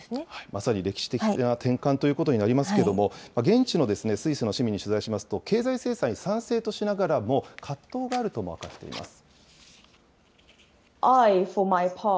まさに歴史的な転換ということになりますけれども、現地のスイスの市民に取材しますと、経済制裁に賛成としながらも、葛藤があるとも明かしています。